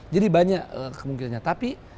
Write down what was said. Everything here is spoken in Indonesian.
jadi banyak kemungkinan tapi